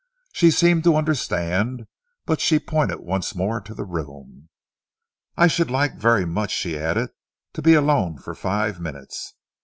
She seemed to understand but she pointed once more to the room. "I should like very much," she added, "to be alone for five minutes.